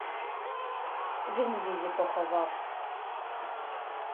Він її поховав.